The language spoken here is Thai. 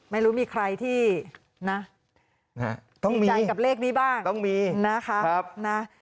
ไม่รู้มีใครที่นะต้องมีใจกับเลขนี้บ้างต้องมีนะคะนะ